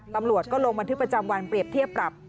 ตำรวจก็ลงบันทึกประจำวันเปรียบเทียบปรับ